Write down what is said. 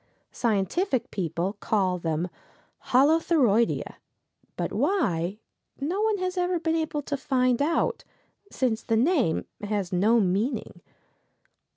Scientific people call them Holothuroideæ, but why, no one has ever been able to find out, since the name has no meaning.